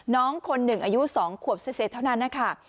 น้องคนหนึ่งอายุ๒ขวบเศษเท่านั้นนะคะ